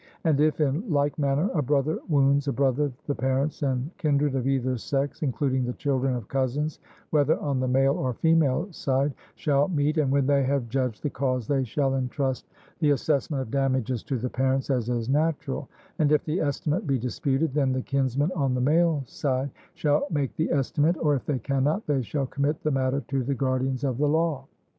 And if, in like manner, a brother wounds a brother, the parents and kindred of either sex, including the children of cousins, whether on the male or female side, shall meet, and when they have judged the cause, they shall entrust the assessment of damages to the parents, as is natural; and if the estimate be disputed, then the kinsmen on the male side shall make the estimate, or if they cannot, they shall commit the matter to the guardians of the law.